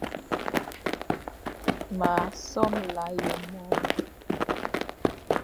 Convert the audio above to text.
M a somla ye môr.